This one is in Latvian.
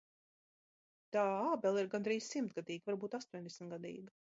Tā ābele ir gandrīz simtgadīga, varbūt astoņdesmitgadīga.